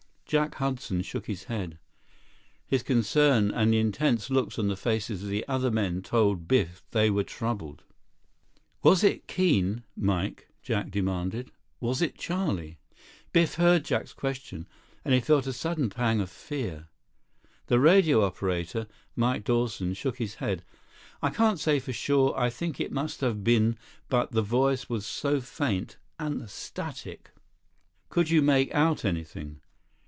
Jack Hudson shook his head. His concern and the intense looks on the faces of the other men told Biff they were troubled. "Was it Keene, Mike?" Jack demanded. "Was it Charlie?" Biff heard Jack's question, and he felt a sudden pang of fear. The radio operator, Mike Dawson, shook his head. "I can't say for sure. I think it must have been. But the voice was so faint. And the static—" "Could you make out anything?